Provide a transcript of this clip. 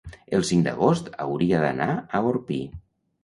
el cinc d'agost hauria d'anar a Orpí.